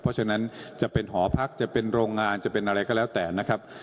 เพราะฉะนั้นจะเป็นหอพักจะเป็นโรงงานจะเป็นอะไรก็แล้วแต่นะครับ